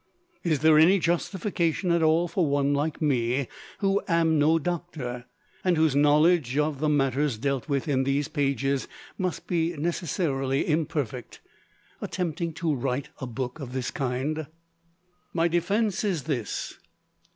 Is there any justification at all for one like me, who am no doctor, and whose knowledge of the matters dealt with in these pages must be necessarily imperfect, attempting to write a book of this kind? My defence is this.